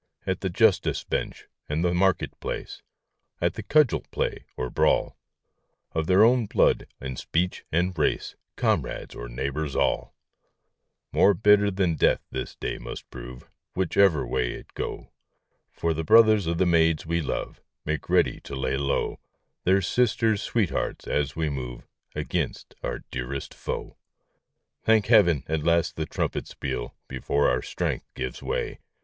At the justice bench and the market place, At the cudgel play or brawl, Of their own blood and speech and race, Comrades or neighbours all ! More bitter than death this day must prove Whichever way it go, 156 Charles I For the brothers of the maids we love Make ready to lay low Their sisters' sweethearts, as we move Against our dearest foe. Thank Heaven ! At last the trumpets peal Before our strength gives way.